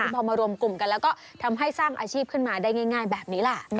พอมารวมกลุ่มกันแล้วก็ทำให้สร้างอาชีพขึ้นมาได้ง่ายแบบนี้ล่ะ